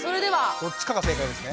どっちかが正解ですね。